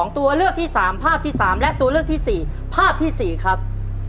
ตัวเลือกที่๓ภาพที่๓และตัวเลือกที่๔ภาพที่๔ครับ